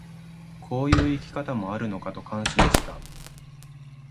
こういう生き方もあるのかと感心した